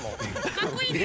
かっこいいね。